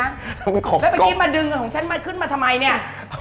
แล้วเมื่อกี้มาดึงของฉันมาขึ้นมาทำไมเนี่ย